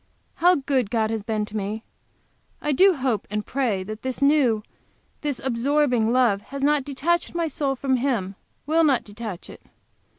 How good God has been to me! I do hope and pray that this new, this absorbing love, has not detached my soul from Him, will not detach it.